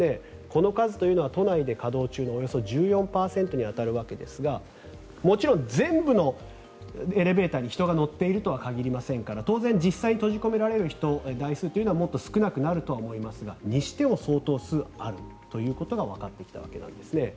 この数は都内で稼働中のおよそ１４％に当たるわけですがもちろん全部のエレベーターに人が乗っているとは限りませんから当然、実際閉じ込められる台数というのはもっと少なくなるとは思いますがそれにしても、相当数あることがわかってきたわけです。